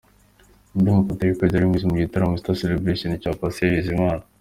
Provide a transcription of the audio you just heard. Andi mafoto y'uko byari bimeze mu gitaramo Easter Celebration cya Patient Bizimana.